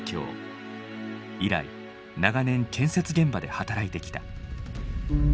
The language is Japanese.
以来長年建設現場で働いてきた。